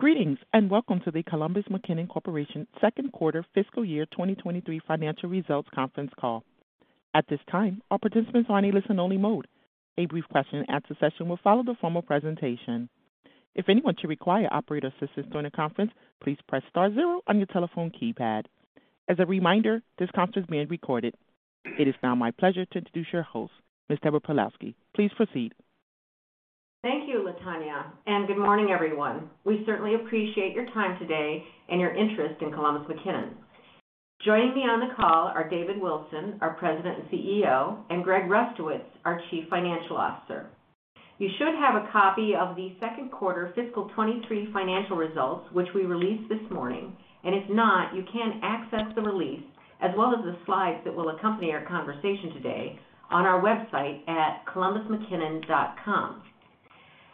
Greetings, and welcome to the Columbus McKinnon Corporation Q2 fiscal year 2023 financial results conference call. At this time, all participants are in a listen-only mode. A brief question and answer session will follow the formal presentation. If anyone should require operator assistance during the conference, please press star zero on your telephone keypad. As a reminder, this conference is being recorded. It is now my pleasure to introduce your host, Ms. Deborah Pawlowski. Please proceed. Thank you, Latonya, and good morning, everyone. We certainly appreciate your time today and your interest in Columbus McKinnon. Joining me on the call are David Wilson, our President and CEO, and Greg Rustowicz, our Chief Financial Officer. You should have a copy of the Q2 fiscal 2023 financial results, which we released this morning, and if not, you can access the release as well as the slides that will accompany our conversation today on our website at columbusmckinnon.com.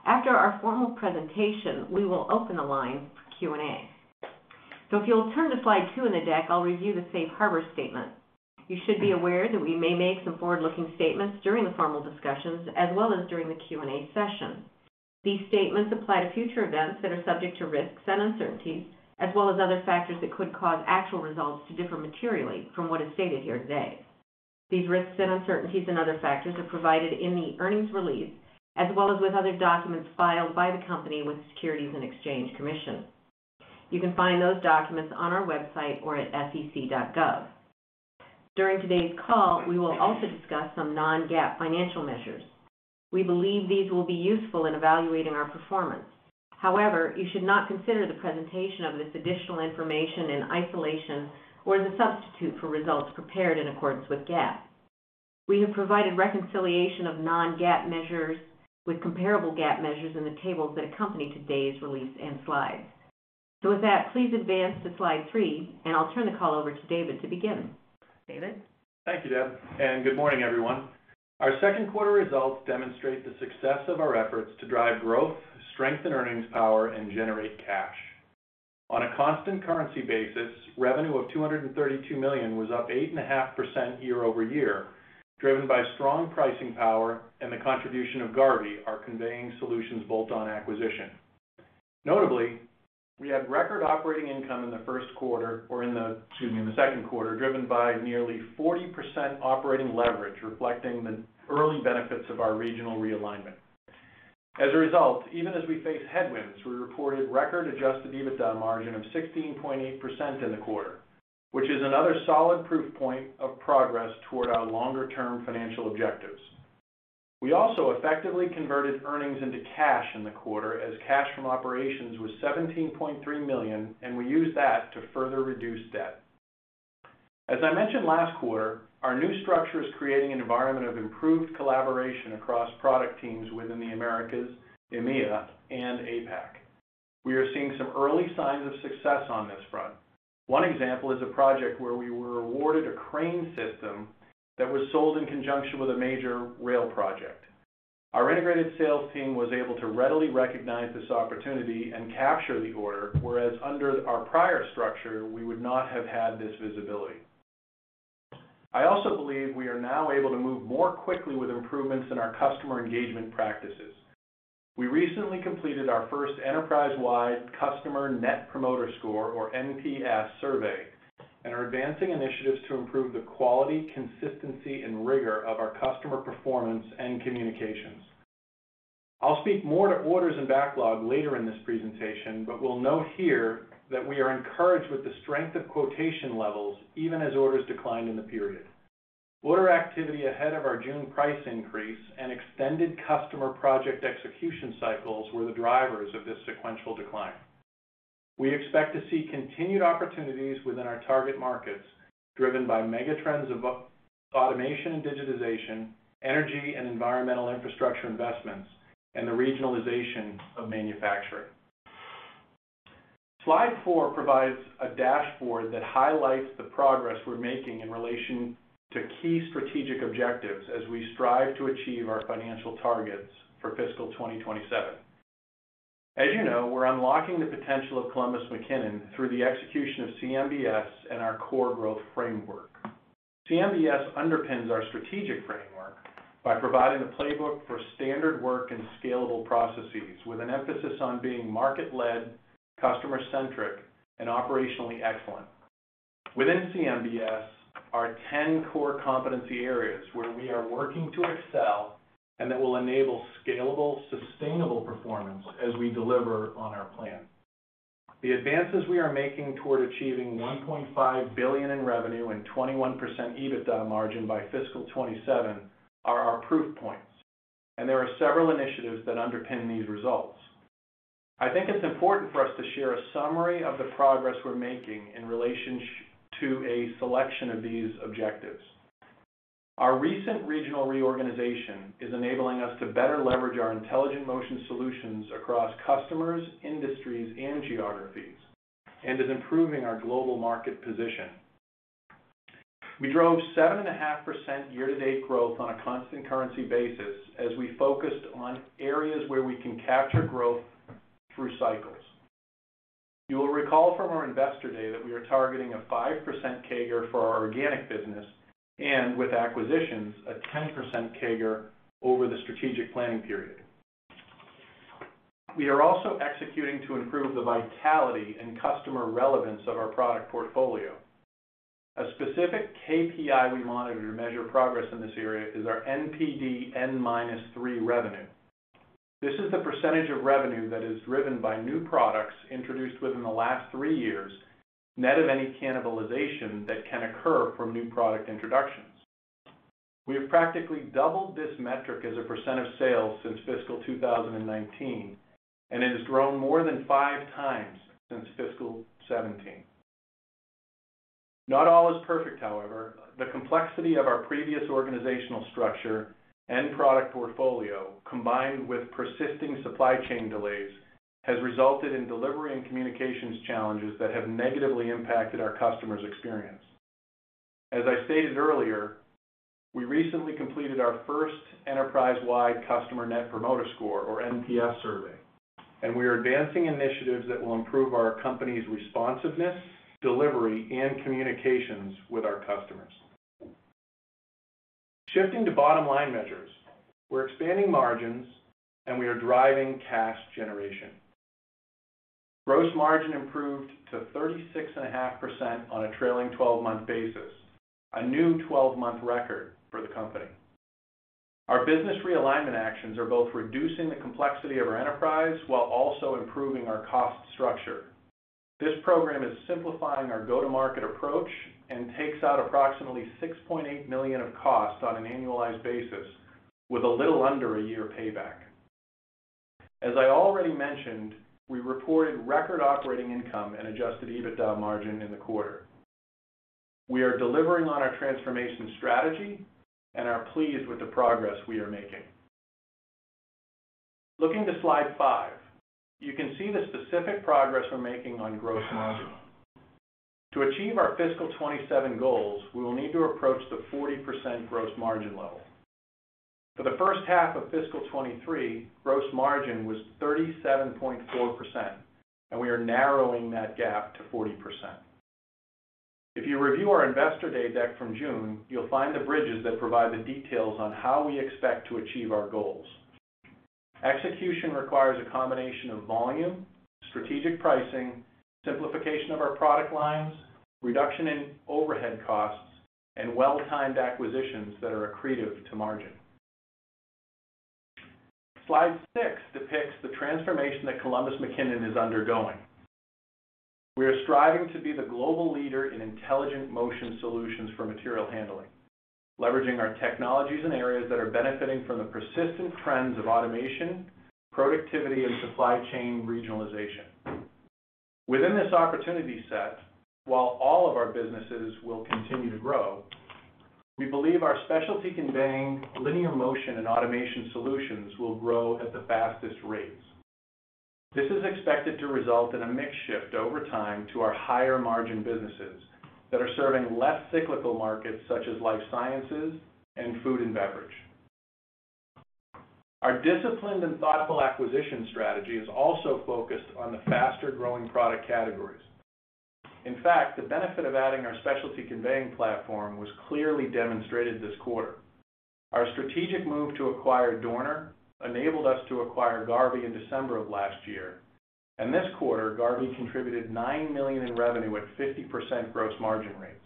After our formal presentation, we will open the line for Q&A. If you'll turn to slide 2 in the deck, I'll review the safe harbor statement. You should be aware that we may make some forward-looking statements during the formal discussions as well as during the Q&A session. These statements apply to future events that are subject to risks and uncertainties as well as other factors that could cause actual results to differ materially from what is stated here today. These risks and uncertainties and other factors are provided in the earnings release as well as with other documents filed by the company with Securities and Exchange Commission. You can find those documents on our website or at sec.gov. During today's call, we will also discuss some non-GAAP financial measures. We believe these will be useful in evaluating our performance. However, you should not consider the presentation of this additional information in isolation or as a substitute for results prepared in accordance with GAAP. We have provided reconciliation of non-GAAP measures with comparable GAAP measures in the tables that accompany today's release and slides. With that, please advance to slide 3, and I'll turn the call over to David to begin. David? Thank you, Deb, and good morning, everyone. Our Q2 results demonstrate the success of our efforts to drive growth, strengthen earnings power, and generate cash. On a constant currency basis, revenue of $232 million was up 8.5% year-over-year, driven by strong pricing power and the contribution of Garvey, our conveying solutions bolt-on acquisition. Notably, we had record operating income, excuse me, in the Q2, driven by nearly 40% operating leverage, reflecting the early benefits of our regional realignment. As a result, even as we face headwinds, we reported record adjusted EBITDA margin of 16.8% in the quarter, which is another solid proof point of progress toward our longer-term financial objectives. We also effectively converted earnings into cash in the quarter as cash from operations was $17.3 million, and we used that to further reduce debt. As I mentioned last quarter, our new structure is creating an environment of improved collaboration across product teams within the Americas, EMEA, and APAC. We are seeing some early signs of success on this front. One example is a project where we were awarded a crane system that was sold in conjunction with a major rail project. Our integrated sales team was able to readily recognize this opportunity and capture the order, whereas under our prior structure we would not have had this visibility. I also believe we are now able to move more quickly with improvements in our customer engagement practices. We recently completed our first enterprise-wide customer Net Promoter Score, or NPS survey, and are advancing initiatives to improve the quality, consistency, and rigor of our customer performance and communications. I'll speak more to orders and backlog later in this presentation, but will note here that we are encouraged with the strength of quotation levels even as orders declined in the period. Order activity ahead of our June price increase and extended customer project execution cycles were the drivers of this sequential decline. We expect to see continued opportunities within our target markets driven by mega trends of automation and digitization, energy and environmental infrastructure investments, and the regionalization of manufacturing. Slide 4 provides a dashboard that highlights the progress we're making in relation to key strategic objectives as we strive to achieve our financial targets for fiscal 2027. As you know, we're unlocking the potential of Columbus McKinnon through the execution of CMBS and our core growth framework. CMBS underpins our strategic framework by providing a playbook for standard work and scalable processes with an emphasis on being market-led, customer-centric, and operationally excellent. Within CMBS are ten core competency areas where we are working to excel and that will enable scalable, sustainable performance as we deliver on our plan. The advances we are making toward achieving $1.5 billion in revenue and 21% EBITDA margin by fiscal 2027 are our proof points, and there are several initiatives that underpin these results. I think it's important for us to share a summary of the progress we're making in relation to a selection of these objectives. Our recent regional reorganization is enabling us to better leverage our intelligent motion solutions across customers, industries, and geographies and is improving our global market position. We drove 7.5% year-to-date growth on a constant currency basis as we focused on areas where we can capture growth. You will recall from our investor day that we are targeting a 5% CAGR for our organic business and with acquisitions, a 10% CAGR over the strategic planning period. We are also executing to improve the vitality and customer relevance of our product portfolio. A specific KPI we monitor to measure progress in this area is our NPD N-minus-three revenue. This is the percentage of revenue that is driven by new products introduced within the last three years, net of any cannibalization that can occur from new product introductions. We have practically doubled this metric as a percent of sales since fiscal 2019, and it has grown more than 5x since fiscal 2017. Not all is perfect, however. The complexity of our previous organizational structure and product portfolio, combined with persisting supply chain delays, has resulted in delivery and communications challenges that have negatively impacted our customers' experience. As I stated earlier, we recently completed our first enterprise-wide Customer Net Promoter Score, or NPS survey, and we are advancing initiatives that will improve our company's responsiveness, delivery, and communications with our customers. Shifting to bottom-line measures, we're expanding margins and we are driving cash generation. Gross margin improved to 36.5% on a trailing twelve-month basis, a new 12-month record for the company. Our business realignment actions are both reducing the complexity of our enterprise while also improving our cost structure. This program is simplifying our go-to-market approach and takes out approximately $6.8 million of costs on an annualized basis with a little under a year payback. As I already mentioned, we reported record operating income and adjusted EBITDA margin in the quarter. We are delivering on our transformation strategy and are pleased with the progress we are making. Looking to slide 5, you can see the specific progress we're making on gross margin. To achieve our fiscal 2027 goals, we will need to approach the 40% gross margin level. For the H1 of fiscal 2023, gross margin was 37.4%, and we are narrowing that gap to 40%. If you review our Investor Day deck from June, you'll find the bridges that provide the details on how we expect to achieve our goals. Execution requires a combination of volume, strategic pricing, simplification of our product lines, reduction in overhead costs, and well-timed acquisitions that are accretive to margin. Slide 6 depicts the transformation that Columbus McKinnon is undergoing. We are striving to be the global leader in intelligent motion solutions for material handling, leveraging our technologies in areas that are benefiting from the persistent trends of automation, productivity, and supply chain regionalization. Within this opportunity set, while all of our businesses will continue to grow, we believe our specialty conveying linear motion and automation solutions will grow at the fastest rates. This is expected to result in a mix shift over time to our higher-margin businesses that are serving less cyclical markets such as life sciences and food and beverage. Our disciplined and thoughtful acquisition strategy is also focused on the faster-growing product categories. In fact, the benefit of adding our specialty conveying platform was clearly demonstrated this quarter. Our strategic move to acquire Dorner enabled us to acquire Garvey in December of last year, and this quarter, Garvey contributed $9 million in revenue at 50% gross margin rates.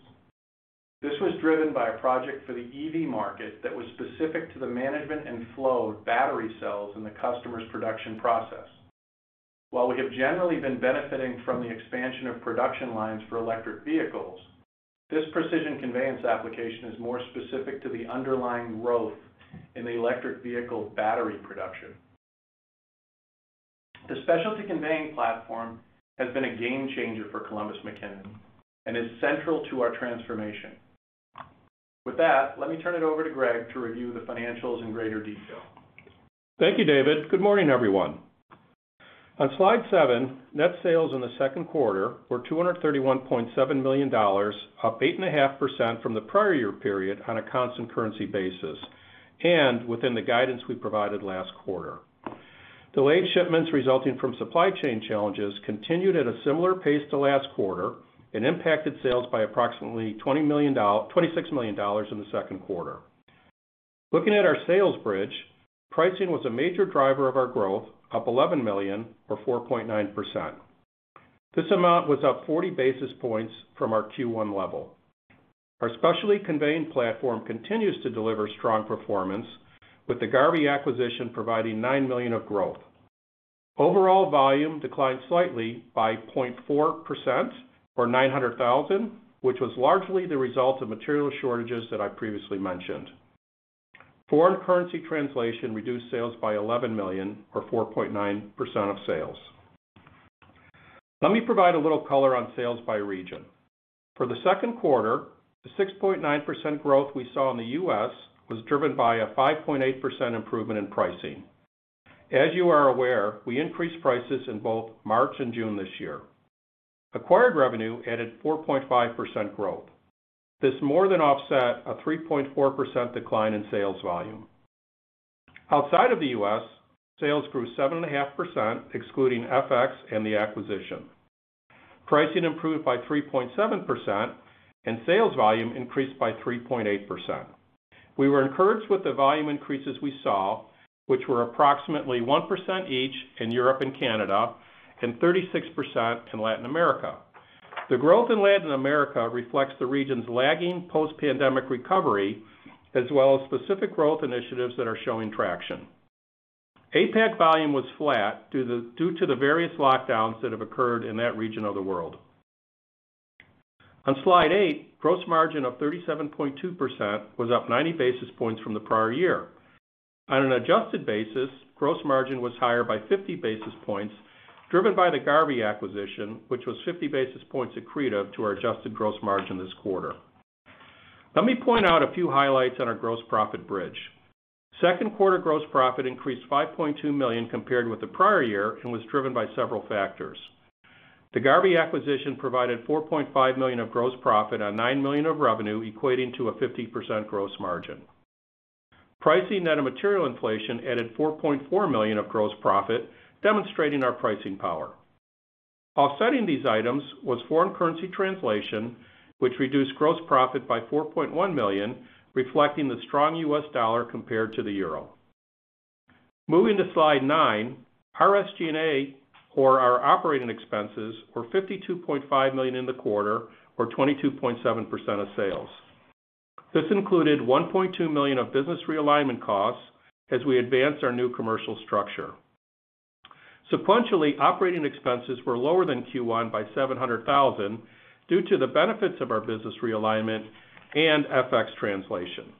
This was driven by a project for the EV market that was specific to the management and flow of battery cells in the customer's production process. While we have generally been benefiting from the expansion of production lines for electric vehicles, this precision conveyance application is more specific to the underlying growth in the electric vehicle battery production. The specialty conveying platform has been a game changer for Columbus McKinnon and is central to our transformation. With that, let me turn it over to Greg to review the financials in greater detail. Thank you, David. Good morning, everyone. On slide 7, net sales in the Q2 were $231.7 million, up 8.5% from the prior year period on a constant currency basis and within the guidance we provided last quarter. Delayed shipments resulting from supply chain challenges continued at a similar pace to last quarter and impacted sales by approximately $26 million in the Q2. Looking at our sales bridge, pricing was a major driver of our growth, up $11 million or 4.9%. This amount was up 40 basis points from our Q1 level. Our specialty conveying platform continues to deliver strong performance, with the Garvey acquisition providing $9 million of growth. Overall volume declined slightly by 0.4% or 900,000, which was largely the result of material shortages that I previously mentioned. Foreign currency translation reduced sales by $11 million or 4.9% of sales. Let me provide a little color on sales by region. For the Q2, the 6.9% growth we saw in the US was driven by a 5.8% improvement in pricing. As you are aware, we increased prices in both March and June this year. Acquired revenue added 4.5% growth. This more than offset a 3.4% decline in sales volume. Outside of the US, sales grew 7.5% excluding FX and the acquisition. Pricing improved by 3.7% and sales volume increased by 3.8%. We were encouraged with the volume increases we saw, which were approximately 1% each in Europe and Canada and 36% in Latin America. The growth in Latin America reflects the region's lagging post-pandemic recovery, as well as specific growth initiatives that are showing traction. APAC volume was flat due to the various lockdowns that have occurred in that region of the world. On slide 8, gross margin of 37.2% was up 90 basis points from the prior year. On an adjusted basis, gross margin was higher by 50 basis points driven by the Garvey acquisition, which was 50 basis points accretive to our adjusted gross margin this quarter. Let me point out a few highlights on our gross profit bridge. Q2 gross profit increased $5.2 million compared with the prior year and was driven by several factors. The Garvey acquisition provided $4.5 million of gross profit on $9 million of revenue, equating to a 50% gross margin. Pricing net of material inflation added $4.4 million of gross profit, demonstrating our pricing power. Offsetting these items was foreign currency translation, which reduced gross profit by $4.1 million, reflecting the strong US dollar compared to the euro. Moving to slide 9, our SG&A or our operating expenses were $52.5 million in the quarter or 22.7% of sales. This included $1.2 million of business realignment costs as we advance our new commercial structure. Sequentially, operating expenses were lower than Q1 by $700,000 due to the benefits of our business realignment and FX translation.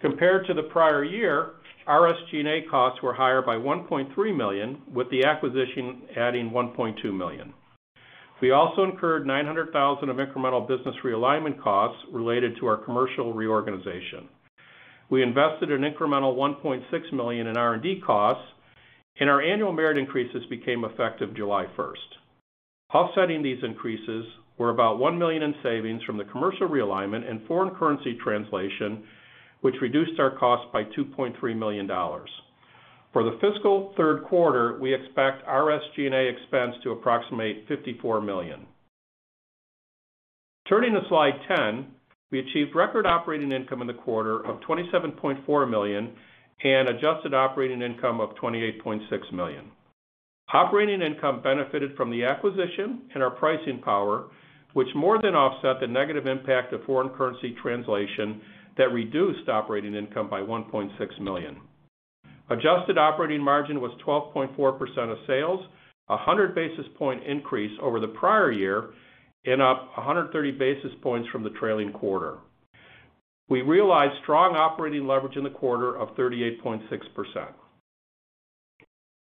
Compared to the prior year, our SG&A costs were higher by $1.3 million, with the acquisition adding $1.2 million. We also incurred $900,000 of incremental business realignment costs related to our commercial reorganization. We invested an incremental $1.6 million in R&D costs, and our annual merit increases became effective July first. Offsetting these increases were about $1 million in savings from the commercial realignment and foreign currency translation, which reduced our costs by $2.3 million. For the fiscal Q3, we expect our SG&A expense to approximate $54 million. Turning to slide 10, we achieved record operating income in the quarter of $27.4 million and adjusted operating income of $28.6 million. Operating income benefited from the acquisition and our pricing power, which more than offset the negative impact of foreign currency translation that reduced operating income by $1.6 million. Adjusted operating margin was 12.4% of sales, a 100 basis point increase over the prior year and up 130 basis points from the trailing quarter. We realized strong operating leverage in the quarter of 38.6%.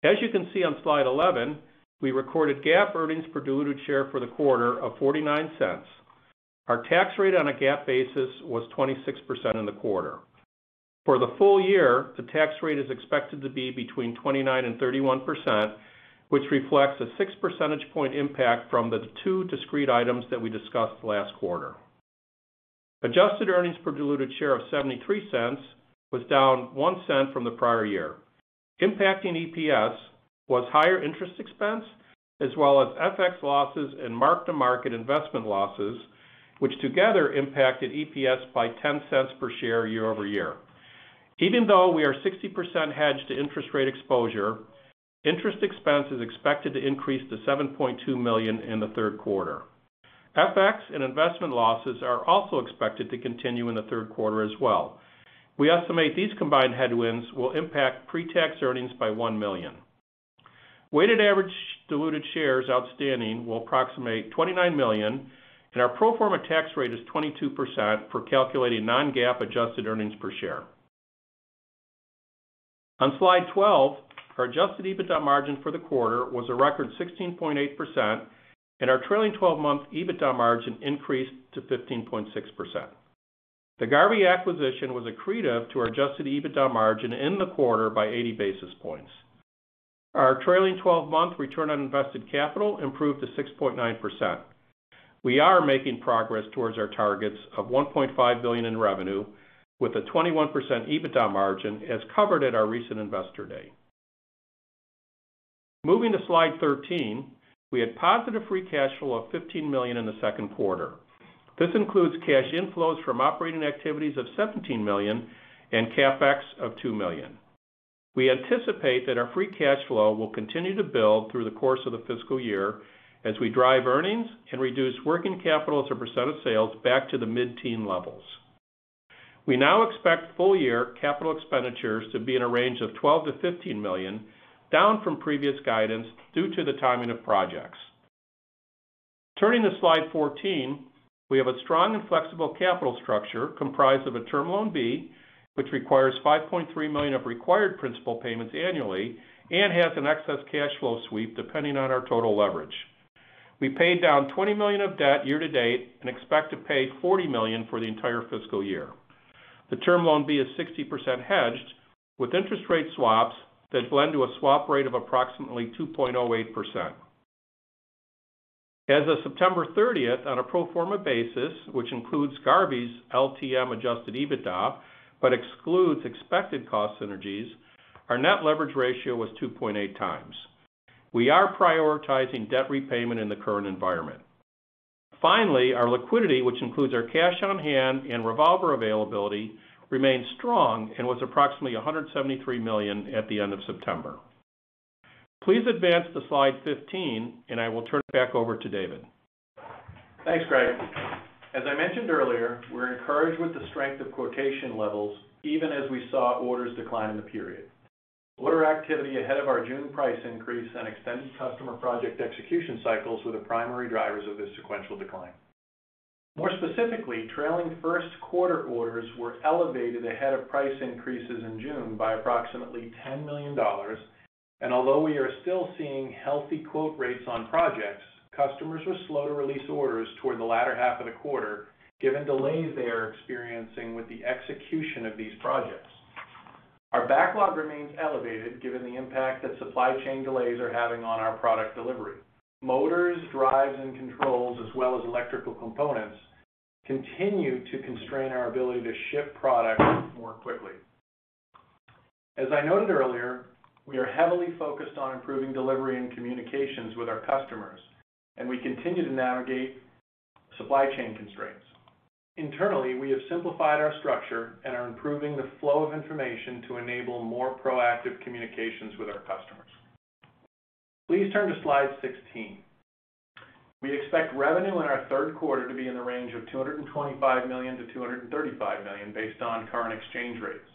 As you can see on slide 11, we recorded GAAP earnings per diluted share for the quarter of $0.49. Our tax rate on a GAAP basis was 26% in the quarter. For the full year, the tax rate is expected to be between 29% and 31%, which reflects a 6 percentage point impact from the two discrete items that we discussed last quarter. Adjusted earnings per diluted share of $0.73 was down $0.01 from the prior year. Impacting EPS was higher interest expense as well as FX losses and mark-to-market investment losses, which together impacted EPS by $0.10 per share year-over-year. Even though we are 60% hedged to interest rate exposure, interest expense is expected to increase to $7.2 million in the Q3. FX and investment losses are also expected to continue in the Q3 as well. We estimate these combined headwinds will impact pre-tax earnings by $1 million. Weighted average diluted shares outstanding will approximate 29 million, and our pro forma tax rate is 22% for calculating non-GAAP adjusted earnings per share. On slide 12, our adjusted EBITDA margin for the quarter was a record 16.8%, and our trailing twelve-month EBITDA margin increased to 15.6%. The Garvey acquisition was accretive to our adjusted EBITDA margin in the quarter by 80 basis points. Our trailing twelve-month return on invested capital improved to 6.9%. We are making progress towards our targets of $1.5 billion in revenue with a 21% EBITDA margin as covered at our recent Investor Day. Moving to slide 13, we had positive free cash flow of $15 million in the Q2. This includes cash inflows from operating activities of $17 million and CapEx of $2 million. We anticipate that our free cash flow will continue to build through the course of the fiscal year as we drive earnings and reduce working capital as a percent of sales back to the mid-teen levels. We now expect full year capital expenditures to be in a range of $12-$15 million, down from previous guidance due to the timing of projects. Turning to slide 14, we have a strong and flexible capital structure comprised of a Term Loan B, which requires $5.3 million of required principal payments annually and has an excess cash flow sweep depending on our total leverage. We paid down $20 million of debt year to date and expect to pay $40 million for the entire fiscal year. The Term Loan B is 60% hedged with interest rate swaps that blend to a swap rate of approximately 2.08%. As of September 30, on a pro forma basis, which includes Garvey's LTM adjusted EBITDA, but excludes expected cost synergies, our net leverage ratio was 2.8x. We are prioritizing debt repayment in the current environment. Finally, our liquidity, which includes our cash on hand and revolver availability, remains strong and was approximately $173 million at the end of September. Please advance to slide 15, and I will turn it back over to David. Thanks, Greg. As I mentioned earlier, we're encouraged with the strength of quotation levels even as we saw orders decline in the period. Order activity ahead of our June price increase and extended customer project execution cycles were the primary drivers of this sequential decline. More specifically, trailing Q1 orders were elevated ahead of price increases in June by approximately $10 million. Although we are still seeing healthy quote rates on projects, customers were slow to release orders toward the latter half of the quarter, given delays they are experiencing with the execution of these projects. Our backlog remains elevated given the impact that supply chain delays are having on our product delivery. Motors, drives and controls, as well as electrical components, continue to constrain our ability to ship product more quickly. As I noted earlier, we are heavily focused on improving delivery and communications with our customers, and we continue to navigate supply chain constraints. Internally, we have simplified our structure and are improving the flow of information to enable more proactive communications with our customers. Please turn to slide 16. We expect revenue in our Q3 to be in the range of $225 million-$235 million based on current exchange rates.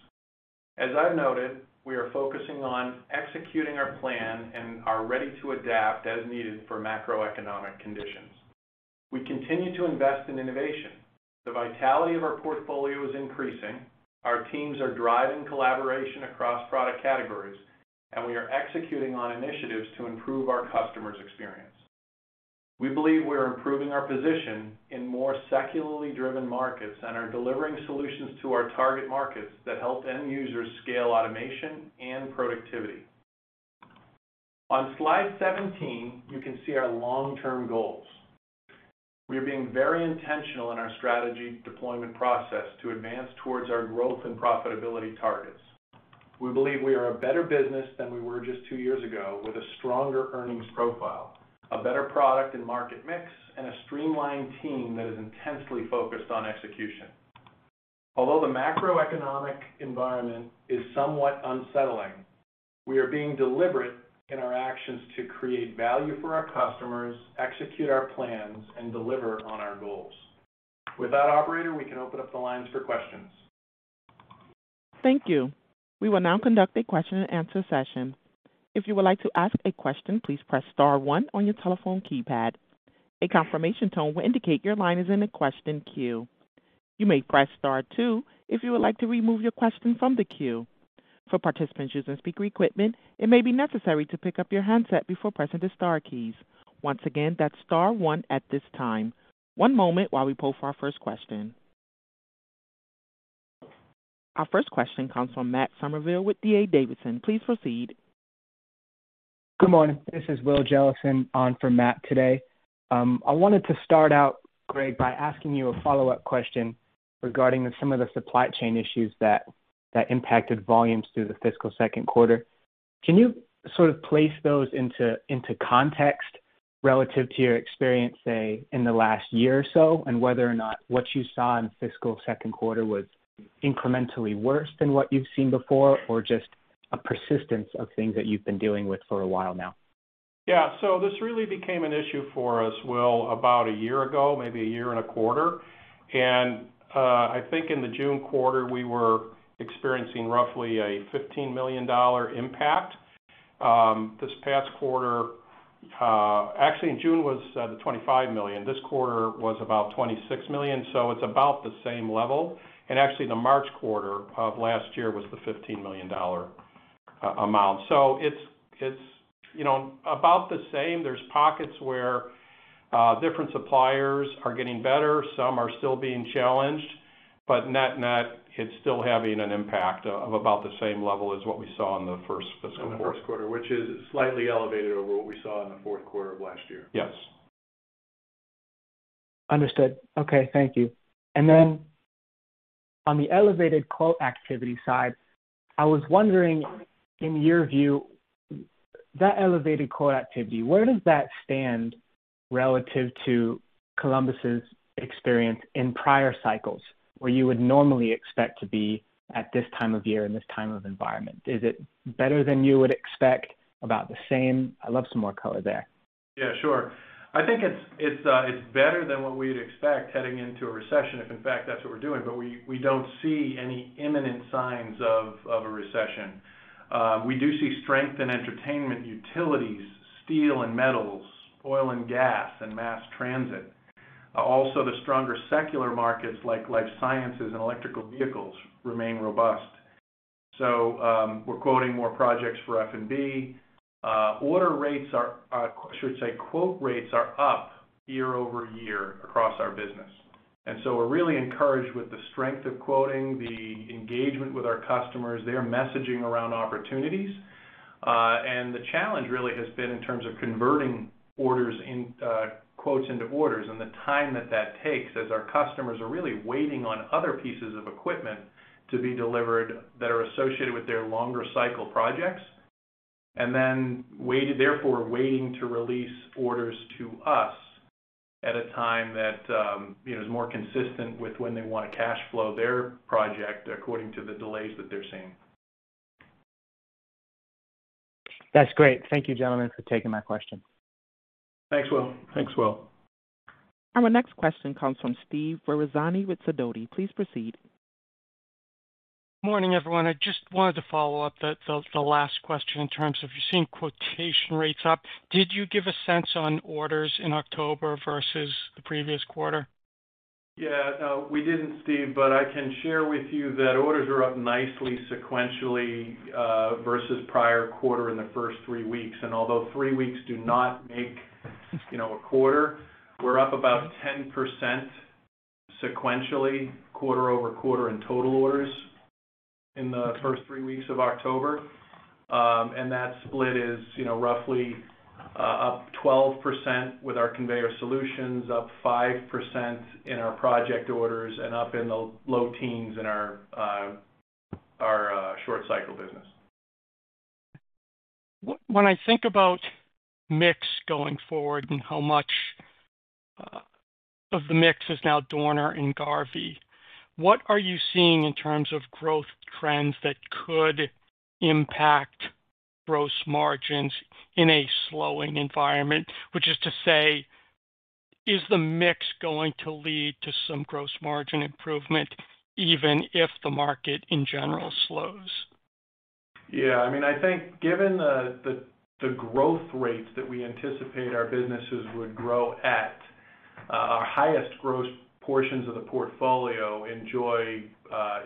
As I've noted, we are focusing on executing our plan and are ready to adapt as needed for macroeconomic conditions. We continue to invest in innovation. The vitality of our portfolio is increasing. Our teams are driving collaboration across product categories, and we are executing on initiatives to improve our customers' experience. We believe we're improving our position in more secularly driven markets and are delivering solutions to our target markets that help end users scale automation and productivity. On slide 17, you can see our long-term goals. We are being very intentional in our strategy deployment process to advance towards our growth and profitability targets. We believe we are a better business than we were just two years ago with a stronger earnings profile, a better product and market mix, and a streamlined team that is intensely focused on execution. Although the macroeconomic environment is somewhat unsettling, we are being deliberate in our actions to create value for our customers, execute our plans, and deliver on our goals. With that, operator, we can open up the lines for questions. Thank you. We will now conduct a question and answer session. If you would like to ask a question, please press star one on your telephone keypad. A confirmation tone will indicate your line is in a question queue. You may press star two if you would like to remove your question from the queue. For participants using speaker equipment, it may be necessary to pick up your handset before pressing the star keys. Once again, that's star one at this time. One moment while we poll for our first question. Our first question comes from Matt Summerville with D.A. Davidson. Please proceed. Good morning. This is Will Jellison on for Matt today. I wanted to start out, Greg, by asking you a follow-up question regarding some of the supply chain issues that impacted volumes through the fiscal Q2. Can you sort of place those into context relative to your experience, say, in the last year or so, and whether or not what you saw in fiscal Q2 was incrementally worse than what you've seen before, or just a persistence of things that you've been dealing with for a while now? Yeah. This really became an issue for us, Will, about a year ago, maybe a year and a quarter. I think in the June quarter, we were experiencing roughly a $15 million impact. This past quarter. Actually, in June was the $25 million. This quarter was about $26 million, so it's about the same level. Actually, the March quarter of last year was the $15 million amount. It's, you know, about the same. There's pockets where different suppliers are getting better. Some are still being challenged, but net, it's still having an impact of about the same level as what we saw in the first fiscal. The Q1, which is slightly elevated over what we saw in the Q4 of last year. Yes. Understood. Okay, thank you. On the elevated quote activity side, I was wondering, in your view, that elevated quote activity, where does that stand relative to Columbus's experience in prior cycles where you would normally expect to be at this time of year in this time of environment? Is it better than you would expect? About the same? I'd love some more color there. Yeah, sure. I think it's better than what we'd expect heading into a recession, if in fact, that's what we're doing, but we don't see any imminent signs of a recession. We do see strength in entertainment, utilities, steel and metals, oil and gas, and mass transit. Also, the stronger secular markets like life sciences and electric vehicles remain robust. We're quoting more projects for F&B. I should say quote rates are up year-over-year across our business. We're really encouraged with the strength of quoting, the engagement with our customers, their messaging around opportunities. The challenge really has been in terms of converting quotes into orders and the time that takes as our customers are really waiting on other pieces of equipment to be delivered that are associated with their longer cycle projects, therefore waiting to release orders to us at a time that is more consistent with when they wanna cash flow their project according to the delays that they're seeing. That's great. Thank you, gentlemen, for taking my question. Thanks, Will. Thanks, Will. Our next question comes from Steve Ferazani with Sidoti. Please proceed. Morning, everyone. I just wanted to follow up the last question in terms of you're seeing quotation rates up. Did you give a sense on orders in October versus the previous quarter? Yeah, no, we didn't, Steve, but I can share with you that orders are up nicely sequentially versus prior quarter in the first three weeks. Although three weeks do not make, you know, a quarter, we're up about 10% sequentially quarter over quarter in total orders in the first three weeks of October. That split is, you know, roughly up 12% with our conveyor solutions, up 5% in our project orders, and up in the low teens in our short cycle business. When I think about mix going forward and how much of the mix is now Dorner and Garvey, what are you seeing in terms of growth trends that could impact gross margins in a slowing environment? Which is to say, is the mix going to lead to some gross margin improvement even if the market in general slows? Yeah. I mean, I think given the growth rates that we anticipate our businesses would grow at, our highest gross portions of the portfolio enjoy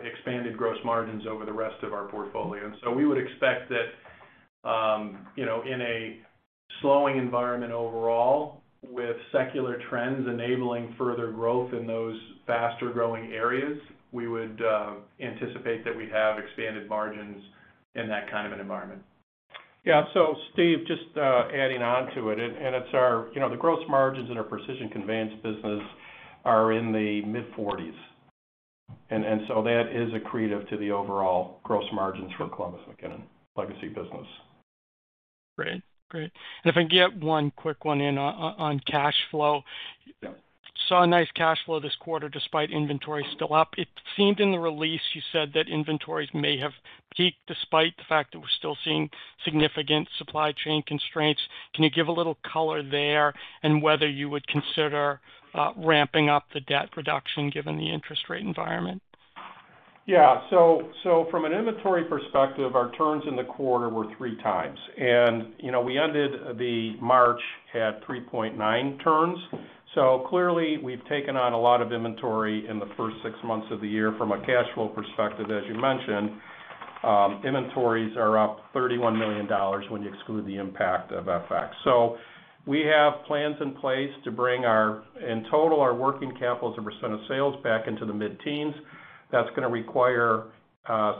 expanded gross margins over the rest of our portfolio. We would expect that, you know, in a slowing environment overall, with secular trends enabling further growth in those faster-growing areas, we would anticipate that we have expanded margins in that kind of an environment. Yeah. Steve, just adding on to it. You know, the gross margins in our precision conveyance business are in the mid-40s%. That is accretive to the overall gross margins for Columbus McKinnon legacy business. Great. If I can get one quick one in on cash flow. Yeah. Saw a nice cash flow this quarter despite inventory still up. It seemed in the release you said that inventories may have peaked despite the fact that we're still seeing significant supply chain constraints. Can you give a little color there and whether you would consider ramping up the debt reduction given the interest rate environment? Yeah. From an inventory perspective, our turns in the quarter were three times. You know, we ended the March at 3.9 turns. Clearly, we've taken on a lot of inventory in the first six months of the year from a cash flow perspective, as you mentioned. Inventories are up $31 million when you exclude the impact of FX. We have plans in place to bring our in total our working capital as a percent of sales back into the mid-teens. That's gonna require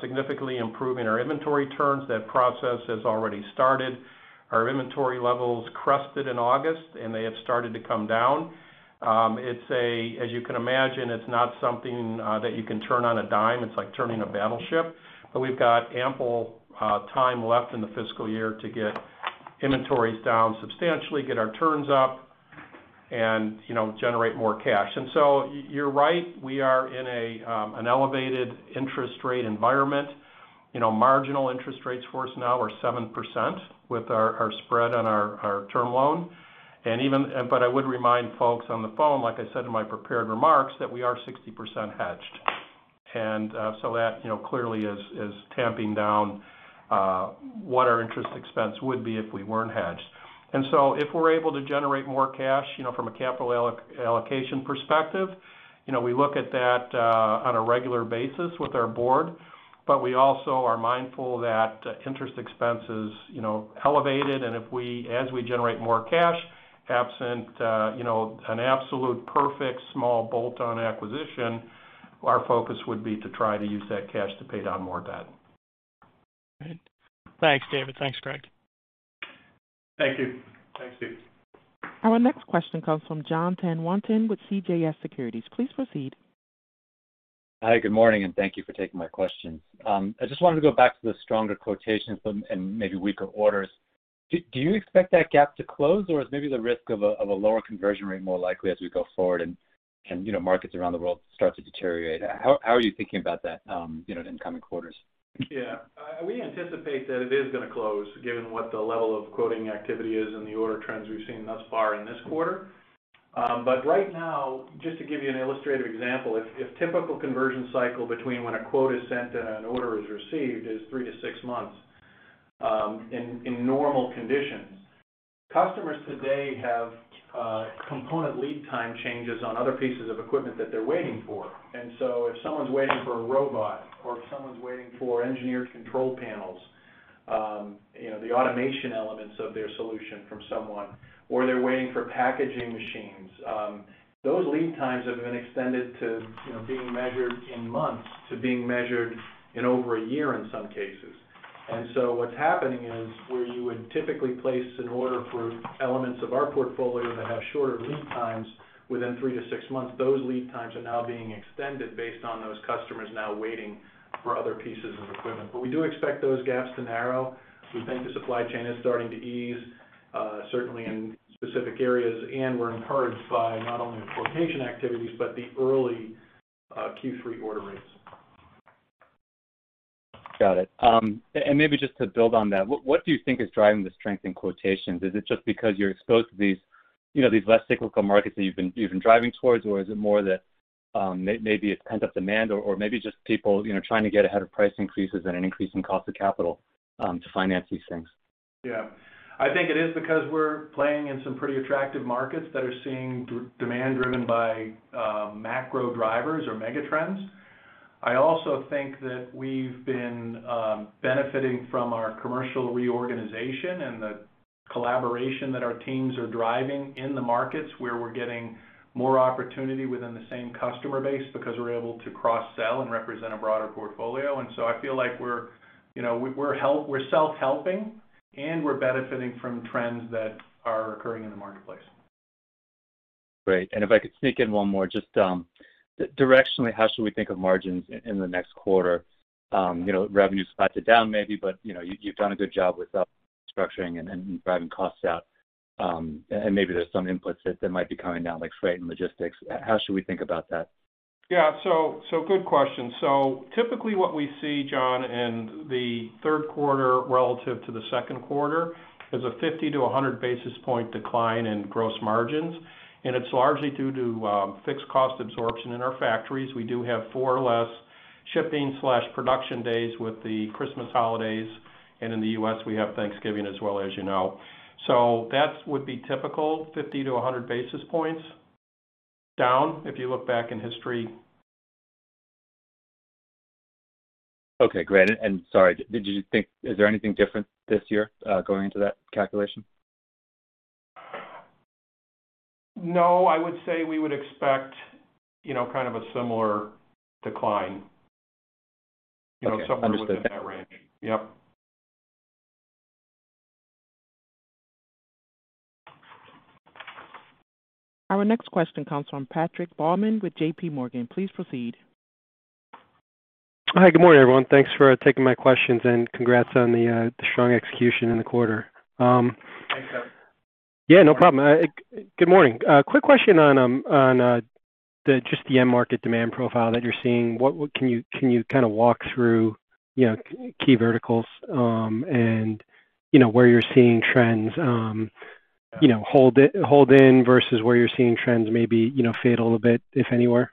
significantly improving our inventory turns. That process has already started. Our inventory levels crested in August, and they have started to come down. As you can imagine, it's not something that you can turn on a dime. It's like turning a battleship. We've got ample time left in the fiscal year to get inventories down substantially, get our turns up and, you know, generate more cash. You're right. We are in an elevated interest rate environment. You know, marginal interest rates for us now are 7% with our spread on our term loan. I would remind folks on the phone, like I said in my prepared remarks, that we are 60% hedged. That, you know, clearly is tamping down what our interest expense would be if we weren't hedged. If we're able to generate more cash, you know, from a capital allocation perspective, you know, we look at that on a regular basis with our board, but we also are mindful that interest expense is, you know, elevated. As we generate more cash, absent, you know, an absolute perfect small bolt-on acquisition, our focus would be to try to use that cash to pay down more debt. All right. Thanks, David. Thanks, Greg. Thank you. Thanks, Steve. Our next question comes from Jon Tanwanteng with CJS Securities. Please proceed. Hi, good morning, and thank you for taking my questions. I just wanted to go back to the stronger quotations and maybe weaker orders. Do you expect that gap to close, or is maybe the risk of a lower conversion rate more likely as we go forward and, you know, markets around the world start to deteriorate? How are you thinking about that, you know, in the coming quarters? Yeah. We anticipate that it is gonna close given what the level of quoting activity is and the order trends we've seen thus far in this quarter. But right now, just to give you an illustrative example, if typical conversion cycle between when a quote is sent and an order is received is three-six months, in normal conditions, customers today have component lead time changes on other pieces of equipment that they're waiting. If someone's waiting for a robot or if someone's waiting for engineered control panels, you know, the automation elements of their solution from someone, or they're waiting for packaging machines, those lead times have been extended to, you know, being measured in months to being measured in over a year in some cases. What's happening is, where you would typically place an order for elements of our portfolio that have shorter lead times within three-six months, those lead times are now being extended based on those customers now waiting for other pieces of equipment. We do expect those gaps to narrow. We think the supply chain is starting to ease, certainly in specific areas, and we're encouraged by not only the quotation activities, but the early Q3 order rates. Got it. Maybe just to build on that, what do you think is driving the strength in quotations? Is it just because you're exposed to these, you know, these less cyclical markets that you've been driving towards? Or is it more that, maybe it's pent-up demand or maybe just people, you know, trying to get ahead of price increases and an increase in cost of capital to finance these things? Yeah. I think it is because we're playing in some pretty attractive markets that are seeing demand driven by macro drivers or mega trends. I also think that we've been benefiting from our commercial reorganization and the collaboration that our teams are driving in the markets, where we're getting more opportunity within the same customer base because we're able to cross-sell and represent a broader portfolio. I feel like we're, you know, self-helping, and we're benefiting from trends that are occurring in the marketplace. Great. If I could sneak in one more, just directionally, how should we think of margins in the next quarter? You know, revenue's flat to down maybe, but you know, you've done a good job with cost structuring and driving costs out. And maybe there's some inputs that might be coming down, like freight and logistics. How should we think about that? Yeah. Good question. Typically what we see, Jon, in the Q3 relative to the Q2 is a 50-100-basis point decline in gross margins, and it's largely due to fixed cost absorption in our factories. We do have four less shipping/production days with the Christmas holidays, and in the U.S., we have Thanksgiving as well, as you know. That would be typical, 50 to 100 basis points down if you look back in history. Okay, great. Sorry, is there anything different this year going into that calculation? No. I would say we would expect, you know, kind of a similar decline. You know, somewhere- Okay. Understood. within that range. Yep. Our next question comes from Patrick Baumann with JP Morgan. Please proceed. Hi. Good morning, everyone. Thanks for taking my questions, and congrats on the strong execution in the quarter. Thanks, Patrick. Yeah, no problem. Good morning. A quick question on just the end market demand profile that you're seeing. Can you kind of walk through, you know, key verticals, and, you know, where you're seeing trends, you know, hold in versus where you're seeing trends maybe, you know, fade a little bit, if anywhere?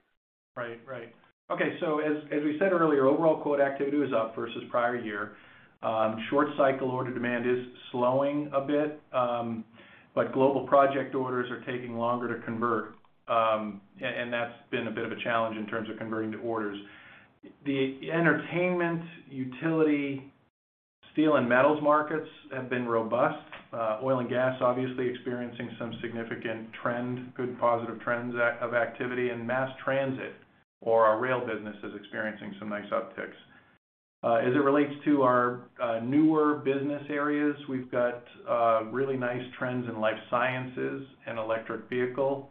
Right. Okay. As we said earlier, overall quote activity was up versus prior year. Short cycle order demand is slowing a bit, but global project orders are taking longer to convert, and that's been a bit of a challenge in terms of converting to orders. The entertainment, utility, steel, and metals markets have been robust. Oil and gas obviously experiencing some significant trends, good positive trends of activity. Mass transit or our rail business is experiencing some nice upticks. As it relates to our newer business areas, we've got really nice trends in life sciences and electric vehicle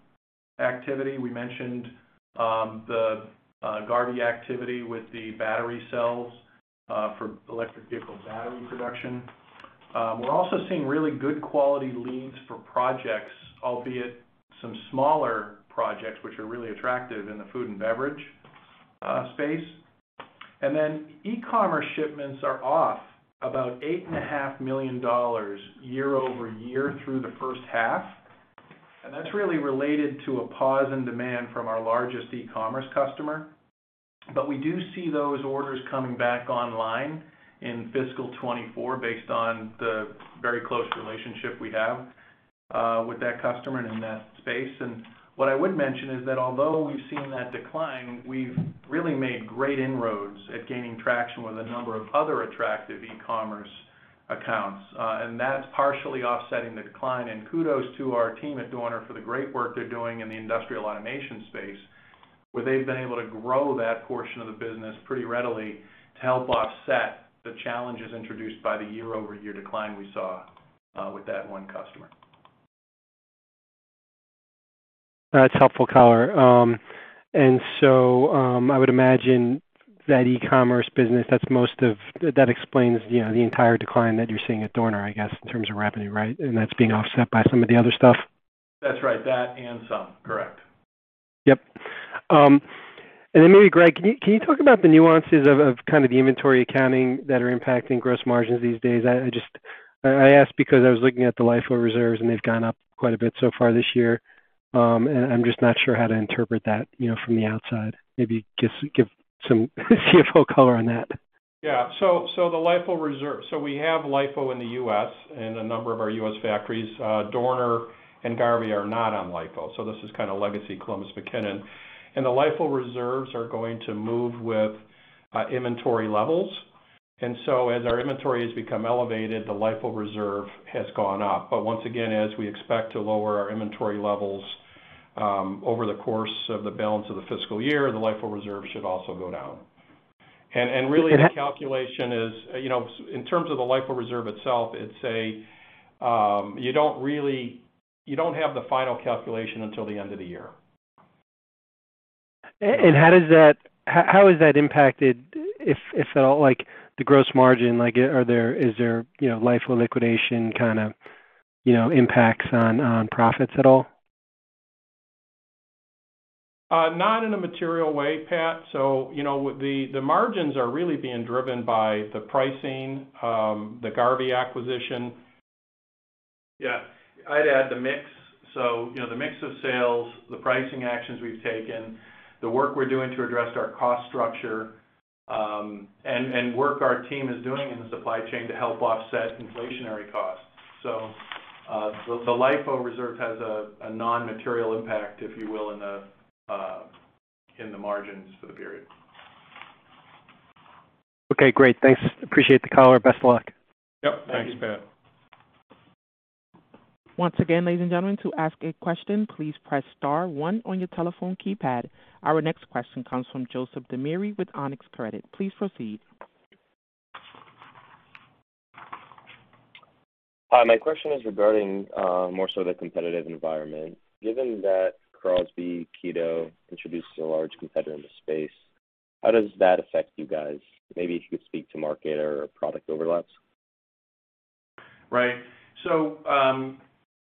activity. We mentioned the Garvey activity with the battery cells for electric vehicle battery production. We're also seeing really good quality leads for projects, albeit some smaller projects which are really attractive in the food and beverage space. E-commerce shipments are off about $8.5 million year-over-year through the H1. That's really related to a pause in demand from our largest e-commerce customer. We do see those orders coming back online in fiscal 2024 based on the very close relationship we have with that customer and in that space. What I would mention is that although we've seen that decline, we've really made great inroads at gaining traction with a number of other attractive e-commerce accounts. That's partially offsetting the decline. Kudos to our team at Dorner for the great work they're doing in the industrial automation space, where they've been able to grow that portion of the business pretty readily to help offset the challenges introduced by the year-over-year decline we saw with that one customer. That's helpful color. I would imagine that e-commerce business, that explains, you know, the entire decline that you're seeing at Dorner, I guess, in terms of revenue, right? That's being offset by some of the other stuff. That's right. That and some. Correct. Yep. Maybe, Greg, can you talk about the nuances of kind of the inventory accounting that are impacting gross margins these days? I just ask because I was looking at the LIFO reserves, and they've gone up quite a bit so far this year. I'm just not sure how to interpret that, you know, from the outside. Maybe give some CFO color on that. Yeah. The LIFO reserve. We have LIFO in the U.S. and a number of our U.S. factories. Dorner and Garvey are not on LIFO. This is kind of legacy Columbus McKinnon. The LIFO reserves are going to move with inventory levels. As our inventory has become elevated, the LIFO reserve has gone up. Once again, as we expect to lower our inventory levels over the course of the balance of the fiscal year, the LIFO reserve should also go down. Really the calculation is, you know, in terms of the LIFO reserve itself, it's a. You don't really have the final calculation until the end of the year. How has that impacted, if at all, like the gross margin? Like is there, you know, LIFO liquidation kind of, you know, impacts on profits at all? Not in a material way, Pat. You know, the margins are really being driven by the pricing, the Garvey acquisition. Yeah. I'd add the mix. You know, the mix of sales, the pricing actions we've taken, the work we're doing to address our cost structure, and work our team is doing in the supply chain to help offset inflationary costs. The LIFO reserve has a non-material impact, if you will, in the margins for the period. Okay, great. Thanks. Appreciate the color. Best of luck. Yep. Thank you, Pat. Once again, ladies and gentlemen, to ask a question, please press star one on your telephone keypad. Our next question comes from Joseph DiMieri with Onex Credit. Please proceed. Hi, my question is regarding more so the competitive environment. Given that Kito Crosby introduced a large competitor into space, how does that affect you guys? Maybe if you could speak to market or product overlaps. Right.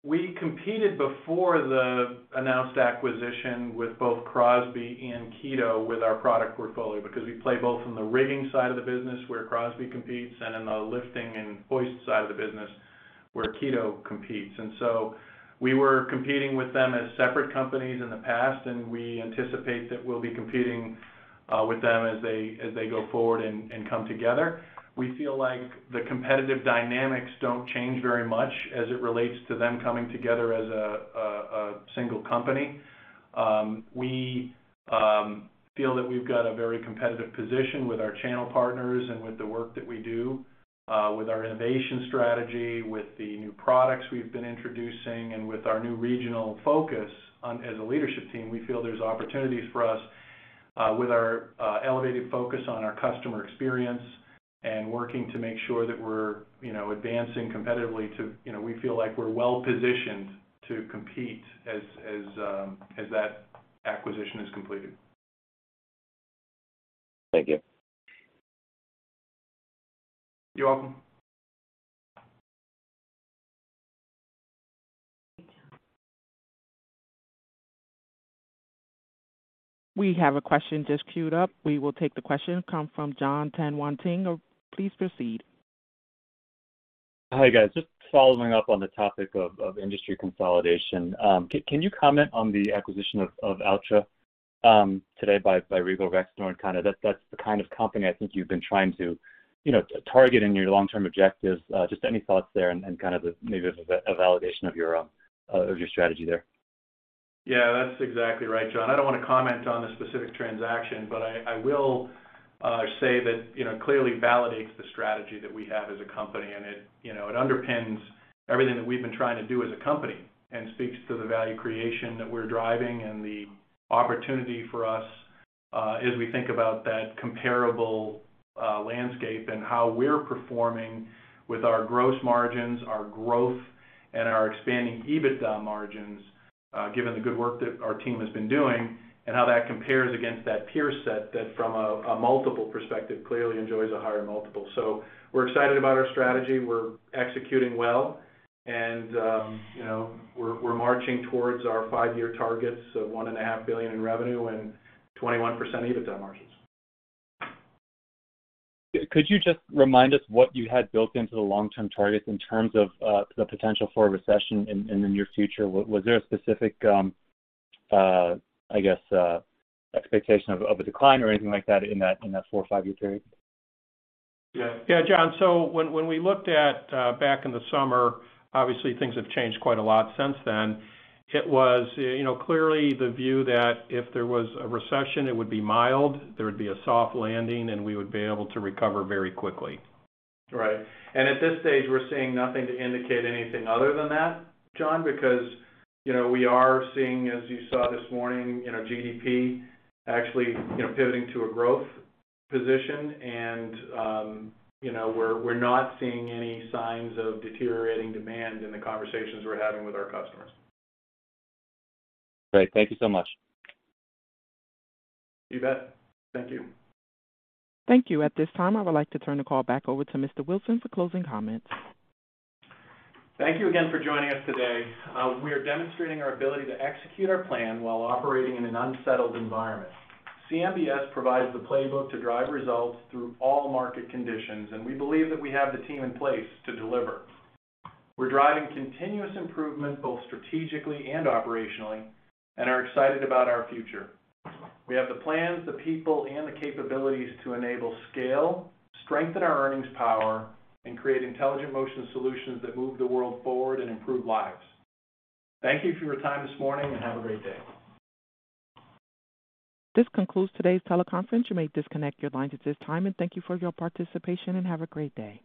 We competed before the announced acquisition with both Crosby and Kito with our product portfolio because we play both from the rigging side of the business where Crosby competes and in the lifting and hoist side of the business where Kito competes. We were competing with them as separate companies in the past, and we anticipate that we'll be competing with them as they go forward and come together. We feel like the competitive dynamics don't change very much as it relates to them coming together as a single company. We feel that we've got a very competitive position with our channel partners and with the work that we do with our innovation strategy, with the new products we've been introducing, and with our new regional focus on as a leadership team. We feel there's opportunities for us with our elevated focus on our customer experience and working to make sure that we're, you know, advancing competitively to, you know, we feel like we're well positioned to compete as that acquisition is completed. Thank you. You're welcome. We have a question just queued up. We will take the question. Comes from Jon Tanwanteng. Please proceed. Hi, guys. Just following up on the topic of industry consolidation. Can you comment on the acquisition of Altra today by Regal Rexnord? That's the kind of company I think you've been trying to target in your long-term objectives. Just any thoughts there and kind of maybe a validation of your strategy there. Yeah, that's exactly right, Jon. I don't wanna comment on the specific transaction, but I will say that, you know, clearly validates the strategy that we have as a company. It, you know, underpins everything that we've been trying to do as a company and speaks to the value creation that we're driving and the opportunity for us, as we think about that comparable landscape and how we're performing with our gross margins, our growth, and our expanding EBITDA margins, given the good work that our team has been doing and how that compares against that peer set that from a multiple perspective, clearly enjoys a higher multiple. We're excited about our strategy. We're executing well, and, you know, we're marching towards our five-year targets of $1.5 billion in revenue and 21% EBITDA margins. Could you just remind us what you had built into the long-term targets in terms of the potential for a recession in the near future? Was there a specific, I guess, expectation of a decline or anything like that in that four- or five-year period? Yeah, Jon, when we looked back in the summer, obviously things have changed quite a lot since then. It was, you know, clearly the view that if there was a recession, it would be mild, there would be a soft landing, and we would be able to recover very quickly. Right. At this stage, we're seeing nothing to indicate anything other than that, Jon, because, you know, we are seeing, as you saw this morning, you know, GDP actually, you know, pivoting to a growth position. We're not seeing any signs of deteriorating demand in the conversations we're having with our customers. Great. Thank you so much. You bet. Thank you. Thank you. At this time, I would like to turn the call back over to Mr. Wilson for closing comments. Thank you again for joining us today. We are demonstrating our ability to execute our plan while operating in an unsettled environment. CMBS provides the playbook to drive results through all market conditions, and we believe that we have the team in place to deliver. We're driving continuous improvement both strategically and operationally and are excited about our future. We have the plans, the people, and the capabilities to enable scale, strengthen our earnings power, and create intelligent motion solutions that move the world forward and improve lives. Thank you for your time this morning, and have a great day. This concludes today's teleconference. You may disconnect your lines at this time. Thank you for your participation, and have a great day.